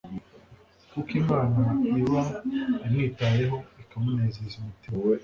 kuko imana iba imwitayeho, ikamunezeza umutima